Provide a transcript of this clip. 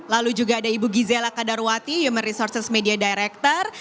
lalu juga ada ibu gizela kadarwati human resources media director